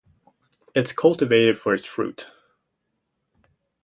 It is cultivated for its fruit.